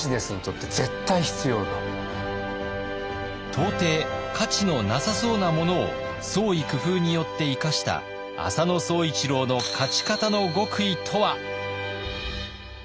到底価値のなさそうなものを創意工夫によって生かした浅野総一郎の勝ち方の極意とは？